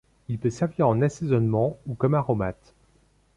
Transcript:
Il peut servir en assaisonnement ou comme aromate.